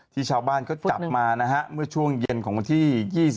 ที่ชาวบ้านเขาจับมาเมื่อช่วงเย็นของวันที่๒๓